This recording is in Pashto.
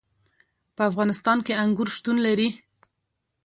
په افغانستان کې انګور شتون لري.